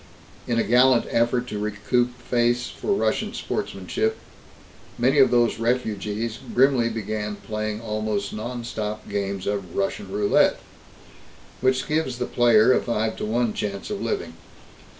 In a gallant effort to recoup face for Russian sportsmanship, many of these refugees grimly began playing almost non stop games of "Russian roulette," which gives the player a five to one chance of living.